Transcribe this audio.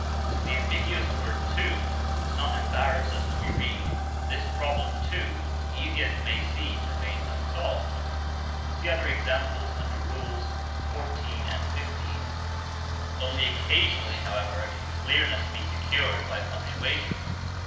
So the ambiguous word "too" does not embarrass us when we read: "This problem, too, easy as it may seem, remains unsolved." (See other examples under Rules XIV. and XV.) Only occasionally, however, can clearness be secured by punctuation.